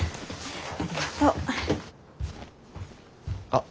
あっ。